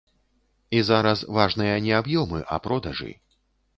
І зараз важныя не аб'ёмы, а продажы.